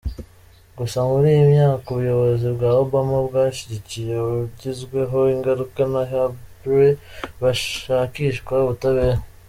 Gusa muri iyi myaka ubuyobozi bwa Obama bwashyigikiye abagizweho ingaruka na Habré hashakishwa ubutabera.